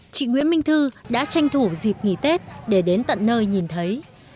chị nguyễn minh thư đã tranh thủ dịp nghỉ tết để đến tận nơi nhìn thấy